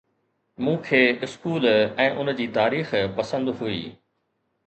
مون کي اسڪول ۽ ان جي تاريخ پسند هئي